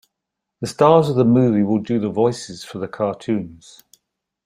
The stars of the movie will do the voices for the cartoons.